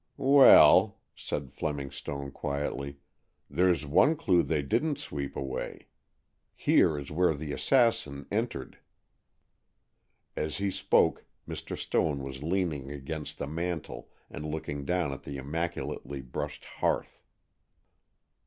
"Well," said Fleming Stone quietly, "there's one clue they didn't sweep away. Here is where the assassin entered." As he spoke Mr. Stone was leaning against the mantel and looking down at the immaculately brushed hearth.